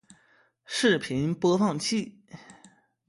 视频播放器